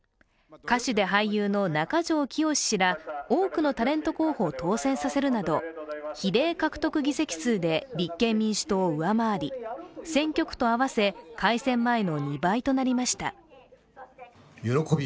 歌手で俳優の中条きよし氏ら多くのタレント候補を当選させるなど、比例獲得議席数で立憲民主党を上回り選挙区と合わせ、改選前の２倍となりました。